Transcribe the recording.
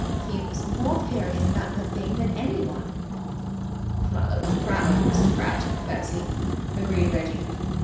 He was more furious about the thing than anyone." "Rather the proud aristocrat, Percy," agreed Reggie.